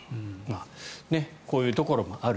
こういうところもある。